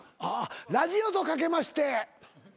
ラジオと掛けまして。